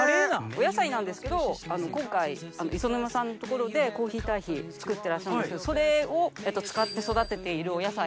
お野菜なんですけど今回磯沼さんの所でコーヒー堆肥作ってらっしゃるんですけどそれを使って育てているお野菜。